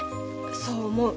そう思う。